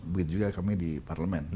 begitu juga kami di parlemen